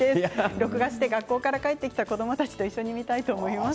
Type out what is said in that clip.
録画して学校から帰った子どもたちと一緒に見たいと思います。